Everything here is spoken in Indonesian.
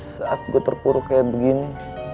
saat gue terpuruk kayak begini